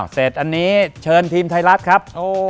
เสร็จอันนี้เชิญทีมไทยรัฐครับ